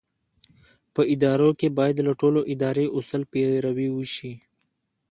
په ادارو کې باید له ټولو اداري اصولو پیروي وشي.